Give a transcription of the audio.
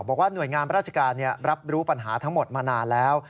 บอกว่าหน่วยงานราชการรับรู้ปัญหาทั้งหมดมานานแล้ว